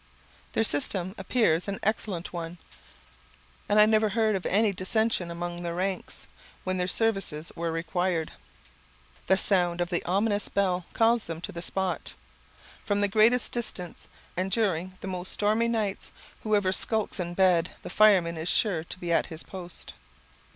Their system appears an excellent one; and I never heard of any dissension among their ranks when their services were required. The sound of the ominous bell calls them to the spot, from the greatest distance; and, during the most stormy nights, whoever skulks in bed, the fireman is sure to be at his post.